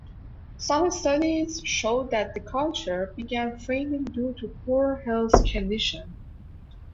Some studies show that the culture began failing due to poor health conditions.